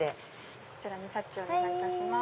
こちらにタッチお願いします。